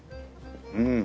うん。